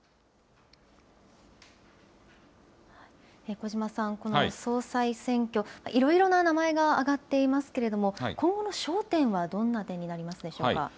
小嶋さん、この総裁選挙、いろいろな名前が挙がっていますけれども、今後の焦点はどんな点になりますでしょうか。